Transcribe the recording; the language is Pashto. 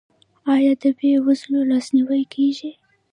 آیا د بې وزلو لاسنیوی کیږي؟